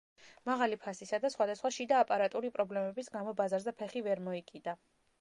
მაღალი ფასისა და სხვადასხვა შიდა აპარატული პრობლემების გამო ბაზარზე ფეხი ვერ მოიკიდა.